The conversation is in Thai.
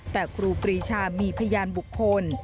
แต่ครูปรีชามีพยานบุคคล